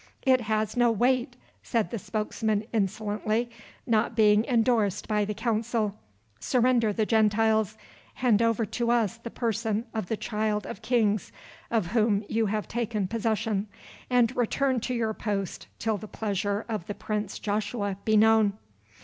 "It has no weight," said the spokesman insolently, "not being endorsed by the Council. Surrender the Gentiles, hand over to us the person of the Child of Kings of whom you have taken possession, and return to your post till the pleasure of the Prince Joshua be known."